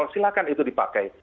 silahkan itu dipakai